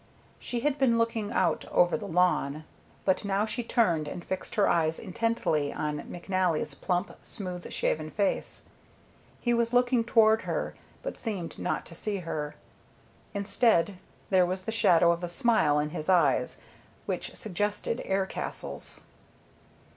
She had been looking out over the lawn, but now she turned and fixed her eyes intently on McNally's plump, smooth shaven face. He was looking toward her, but seemed not to see her. Instead there was the shadow of a smile in his eyes which suggested air castles.